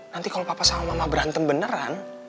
nanti kalau papa sama mama berantem beneran